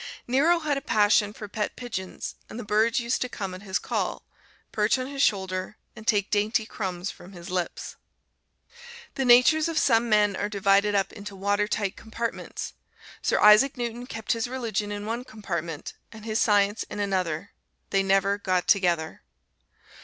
Nero had a passion for pet pigeons, and the birds used to come at his call, perch on his shoulder and take dainty crumbs from his lips. The natures of some men are divided up into water tight compartments. Sir Isaac Newton kept his religion in one compartment, and his science in another they never got together.